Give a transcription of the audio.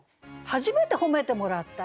初めて褒めてもらった。